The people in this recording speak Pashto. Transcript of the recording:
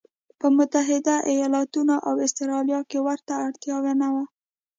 په متحدو ایالتونو او اسټرالیا کې ورته اړتیا نه وه.